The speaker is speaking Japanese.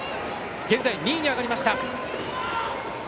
現在２位に上がりました。